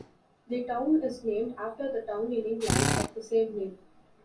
The town is named after the town in England of the same name.